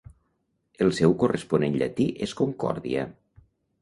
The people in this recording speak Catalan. El seu corresponent llatí és Concòrdia.